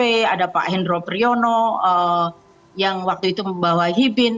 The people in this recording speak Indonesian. ada pak hendro priyono yang waktu itu membawa hibin